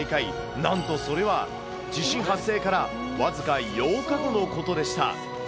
なんとそれは、地震発生から僅か８日後のことでした。